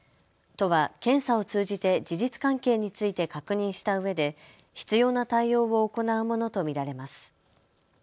都は検査を通じて事実関係について確認したうえで必要な対応を行うものと見られます。